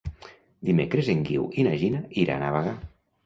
Dimecres en Guiu i na Gina iran a Bagà.